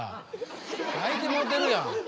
泣いてもうてるやん。